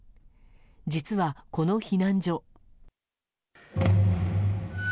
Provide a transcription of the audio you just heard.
実は、この避難所。